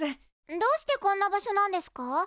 どうしてこんな場所なんですか？